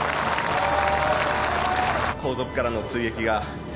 後続からの追撃が来て